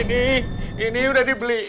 ini ini ini udah dibeliin